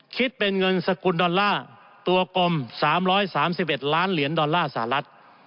คิดเป็นเงินสกุลดอลลาร์ตัวกลม๓๓๑ล้านเหรียญดอลลาร์สหรัฐ